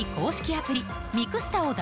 アプリ